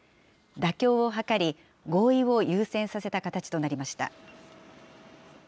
妥協を図り、合意を優先させた形となりました。